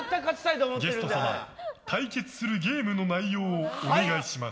ゲスト様、対決するゲームの内容をお願いします。